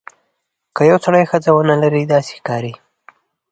که یو سړی ښځه ونه لري داسې ښکاري.